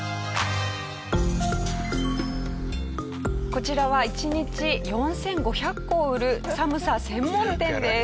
こちらは１日４５００個を売るサムサ専門店です。